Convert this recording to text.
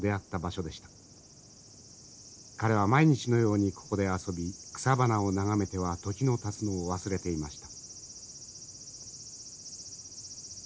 彼は毎日のようにここで遊び草花を眺めては時のたつのを忘れていました。